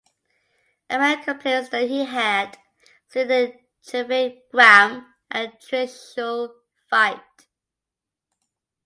A man complains that he had seen Trivikram and Trishul fight.